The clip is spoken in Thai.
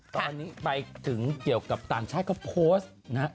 ตอนนี้ไปถึงเกี่ยวกับต่างชาติก็โพสต์นะฮะ